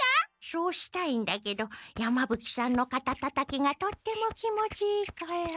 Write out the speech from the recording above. そうしたいんだけど山ぶ鬼さんのかたたたきがとっても気持ちいいから。